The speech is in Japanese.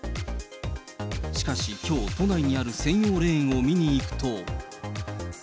しかしきょう、都内にある専用レーンを見にいくと。